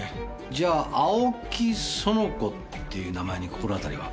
じゃあ青木苑子っていう名前に心当たりは？